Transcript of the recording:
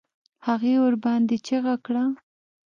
هغې ورباندې چيغه کړه.